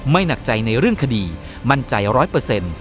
หนักใจในเรื่องคดีมั่นใจร้อยเปอร์เซ็นต์